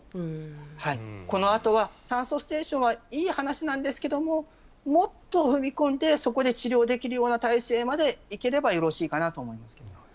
このあとは酸素ステーションはいい話なんですがもっと踏み込んでそこで治療できる体制までいければよろしいかなと思います。